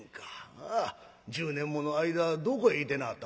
ああ１０年もの間どこへいてなはった？」。